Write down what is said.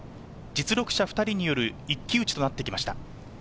実力者２人による一騎打ちとなってきました。